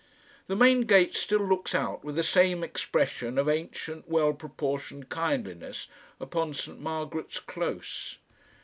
The main gate still looks out with the same expression of ancient well proportioned kindliness upon St. Margaret's Close.